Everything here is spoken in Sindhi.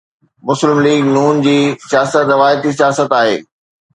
مسلم ليگ ن جي سياست روايتي سياست آهي.